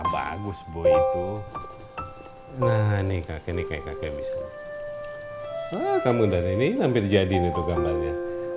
bagus boy itu nah ini kakek nih kayak kakek miskin kamu dari ini hampir jadi itu gambarnya